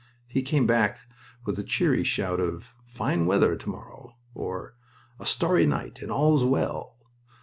He came back with a cheery shout of, "Fine weather to morrow!" or, "A starry night and all's well!"